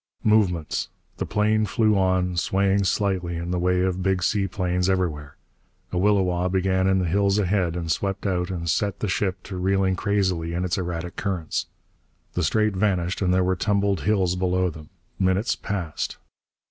Movements. The plane flew on, swaying slightly in the way of big sea planes everywhere. A williwaw began in the hills ahead and swept out and set the ship to reeling crazily in its erratic currents. The Strait vanished and there were tumbled hills below them. Minutes passed.